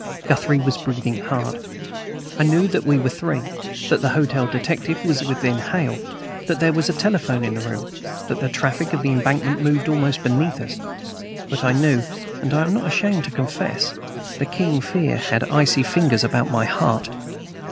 Guthrie was breathing hard. I knew that we were three; that the hotel detective was within hail; that there was a telephone in the room; that the traffic of the Embankment moved almost beneath us; but I knew, and am not ashamed to confess, that King Fear had icy fingers about my heart.